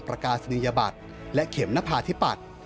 ประกาศนียบัตรและเข็มนภาธิปัตย์